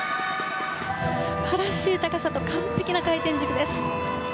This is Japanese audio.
素晴らしい高さと完璧な回転軸です。